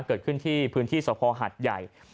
เกิดขึ้นที่พื้นที่สภหัดใหญ่